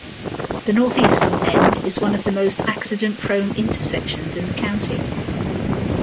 The northeastern end is one of the most accident-prone intersections in the county.